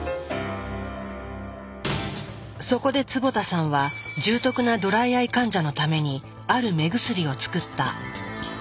そこで坪田さんは重篤なドライアイ患者のために「ある目薬」を作った。